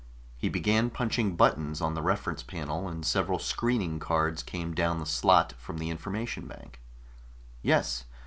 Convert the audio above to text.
He began punching buttons on the reference panel, and several screening cards came down the slot from the information bank. "Yes.